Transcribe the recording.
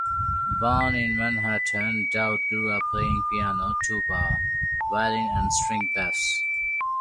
Born in Manhattan, Dowd grew up playing piano, tuba, violin, and string bass.